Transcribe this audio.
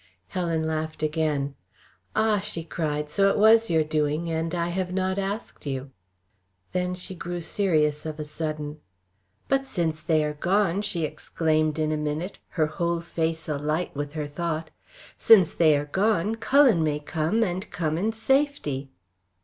Helen laughed again. "Ah," she cried! "So it was your doing, and I have not asked you." Then she grew serious of a sudden. "But since they are gone" she exclaimed, in a minute, her whole face alight with her thought "since they are gone, Cullen may come and come in safety."